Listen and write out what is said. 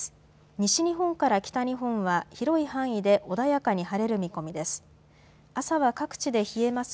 西日本から北日本は広い範囲で穏やかに晴れる見込みです。